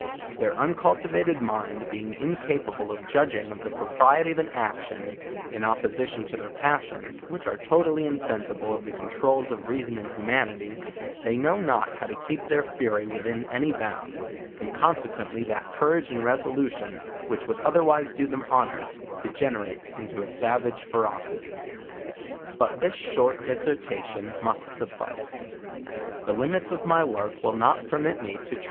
Their uncultivated mind be ing 1 incapable of judging of the propriety of an action, in op position to their passions, whicti are totally insensible of the controuls of reason and humanity, they know not how to keep their fury within any bounds, and consequently that courage and resolution, which would otherwise do them hon or, degenerates into a savage ferocity. But this short discretion must suffice; the limits of my work will not permit me to tre^.